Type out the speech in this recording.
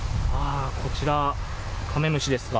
こちら、カメムシですか。